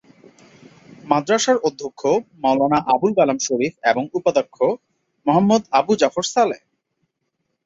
মাদ্রাসার অধ্যক্ষ মাওলানা আবুল কালাম শরীফ এবং উপাধ্যক্ষ মোহাম্মদ আবু জাফর সালেহ।